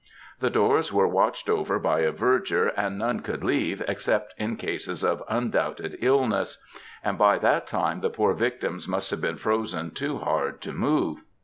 The doors were watched over by a verger, and none could leave, except in cases of imdoubted illness. And by that time the poor victims must have been frozen too hard to move.